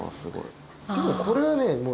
でもこれはね。